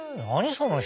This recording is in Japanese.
その人。